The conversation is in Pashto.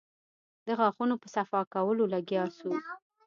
د غاښونو په صفا کولو لگيا سو.